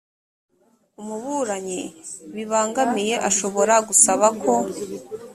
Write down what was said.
umuburanyi bibangamiye ashobora gusaba ko